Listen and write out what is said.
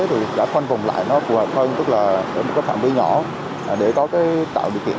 thì đã khoanh vùng lại nó phù hợp hơn tức là ở một cái phạm vi nhỏ để có cái tạo điều kiện